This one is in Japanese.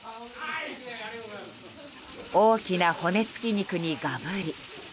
大きな骨付き肉にがぶり。